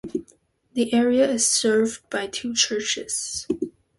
The area is served by two churches.